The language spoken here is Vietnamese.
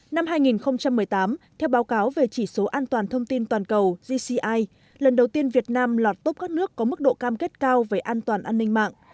năm hai nghìn một mươi tám theo báo cáo về chỉ số an toàn thông tin toàn cầu gci lần đầu tiên việt nam lọt tốt các nước có mức độ cam kết cao về an toàn an ninh mạng